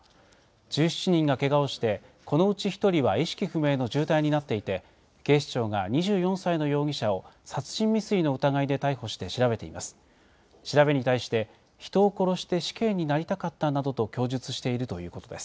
１７人がけがをして、このうち１人は意識不明の重体になっていて、警視庁が２４歳の容疑者を殺人未遂の疑いで逮捕して調べています。